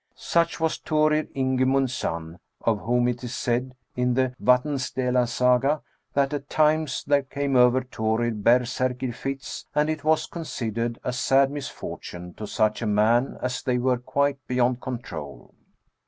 Such was Thorir Ingimund's son, of whom it is said, in the VatnscUela Saga, that " at times there came over Thorir berserkr fits, and it was considered a sad misfortune to such a man, as they were quite beyond control."